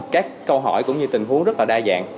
các câu hỏi cũng như tình huống rất là đa dạng